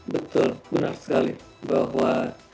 betul benar sekali bahwa